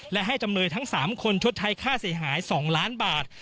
และให้จำเลยทั้ง๓คนชดใช้ค่าเสียหาย๒ล้านบาท